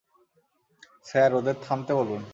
Sir, ওদের থামতে বলুন।